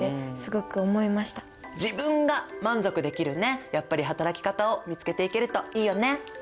自分が満足できるやっぱり働き方を見つけていけるといいよね！